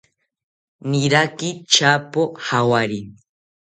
Niraki tyapo jawari